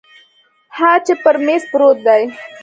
ها چې پر میز پروت دی